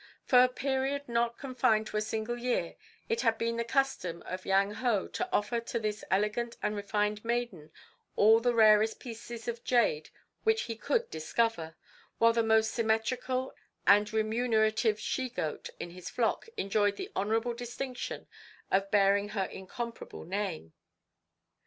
For a period not confined to a single year it had been the custom of Yang Hu to offer to this elegant and refined maiden all the rarest pieces of jade which he could discover, while the most symmetrical and remunerative she goat in his flock enjoyed the honourable distinction of bearing her incomparable name.